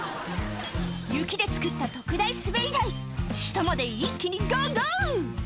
雪で作った特大滑り台下まで一気にゴーゴー！